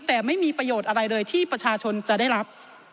แต่ไม่มีประโยชน์อะไรเลยที่ประชาชนจะได้รับ